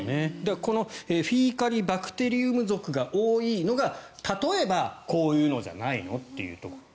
このフィーカリバクテリウム属が多いのが例えばこういうのじゃないの？と。